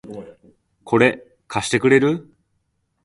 これ、貸してくれる？